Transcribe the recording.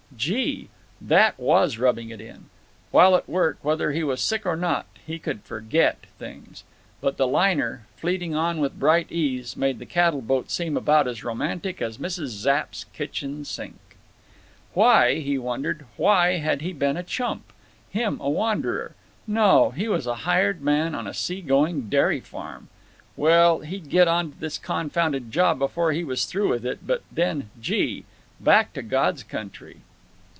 Gee! That was rubbing it in! While at work, whether he was sick or not, he could forget—things. But the liner, fleeting on with bright ease, made the cattle boat seem about as romantic as Mrs. Zapp's kitchen sink. Why, he wondered—"why had he been a chump? Him a wanderer? No; he was a hired man on a sea going dairy farm. Well, he'd get onto this confounded job before he was through with it, but then—gee! back to God's Country!"